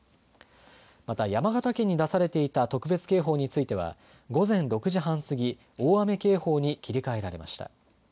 また山形県に出されていた特別警報については午前６時半過ぎ、大雨警報に切り替えられました。